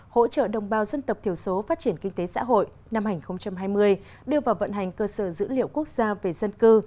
hỗ trợ đồng bào dân tộc thiểu số phát triển kinh tế xã hội năm hai nghìn hai mươi đưa vào vận hành cơ sở dữ liệu quốc gia về dân cư